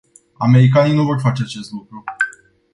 Americanii nu vor face acest lucru.